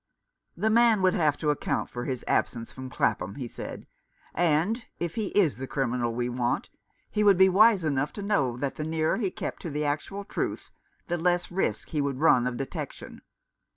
" The man would have to account for his absence from Clapham," he said, " and, if he is the criminal we want, he would be wise enough to know that the nearer he kept to the actual truth the less risk he would run of detection.